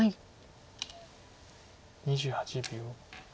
２８秒。